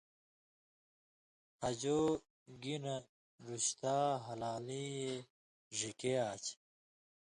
”ہجو گِنہۡ، رُشتا۔ ہلالیں اْے ڙِھکے آچھی“